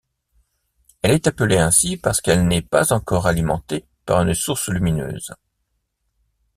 Elle est appelée ainsi parce qu’elle n'est pas encore alimentée par une source lumineuse.